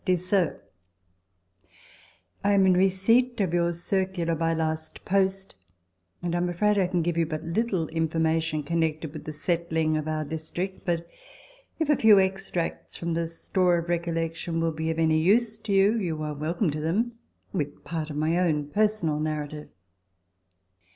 DEAR SIR, I am in receipt of your circular by last post, and I am afraid I can give you but little information connected with the settling of our district ; but if a few extracts from the store of recollec tion will be of any use to you, you are welcome to them, with part of my own personal narrative.